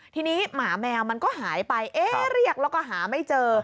ทีนี้หมาแมวมันก็หายไปเอ๊ะเรียกแล้วก็หาไม่เจอ